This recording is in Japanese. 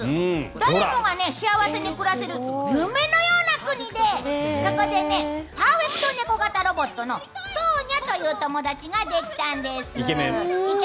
誰もが幸せに暮らせる夢のような国でそこでパーフェクトネコ型ロボットのソーニャという友達ができたんです。